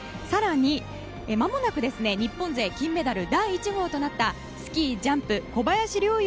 更にまもなく日本勢金メダル第１号となったスキージャンプ小林陵